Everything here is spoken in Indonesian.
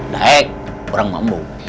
daek kurang mambu